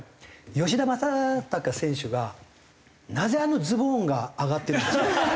吉田正尚選手がなぜあのズボンが上がってるんですか？